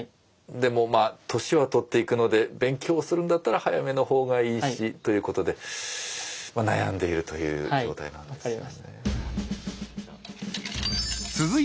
でも年は取っていくので勉強するんだったら早めの方がいいしということで悩んでいるという状態なんです。